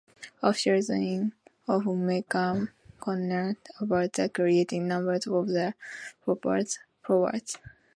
Officials in Ohio became concerned about the increasing numbers of the Prophet's followers.